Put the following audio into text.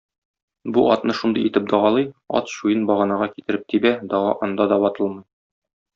Бу атны шундый итеп дагалый, ат чуен баганага китереп тибә, дага анда да ватылмый.